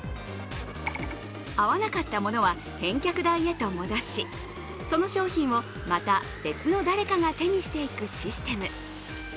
合わなかったものは返却台へと戻し、その商品をまた別の誰かが手にしていくシステム。